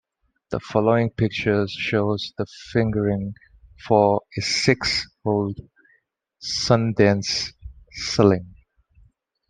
The following picture shows the fingering for a six-holed Sundanese suling.